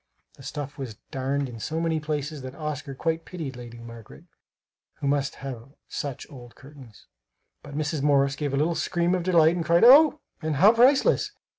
The stuff was darned in so many places that Oscar quite pitied Lady Margaret who must have such old curtains; but Mrs. Morris gave a little scream of delight and cried "Oh!" and "How priceless!"